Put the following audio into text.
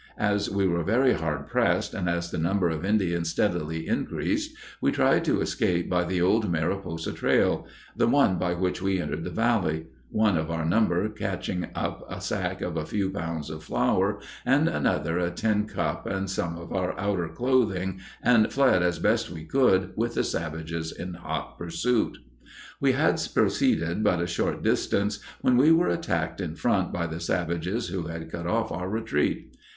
As we were very hard pressed, and as the number of Indians steadily increased, we tried to escape by the old Mariposa trail, the one by which we entered the Valley, one of our number catching up a sack of a few pounds of flour and another a tin cup and some of our outer clothing and fled as best we could with the savages in hot pursuit. We had proceeded but a short distance when we were attacked in front by the savages who had cut off our retreat.